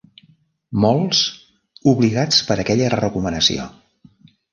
Molts obligats per aquella recomanació.